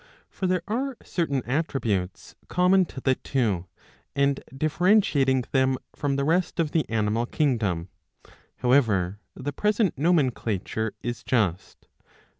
For there are certain attributes common to the two ^ and [differentiating them from] the rest of the animal kingdom. However, the present nomenclature is just.